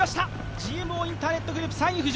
ＧＭＯインターネットグループ、３位浮上。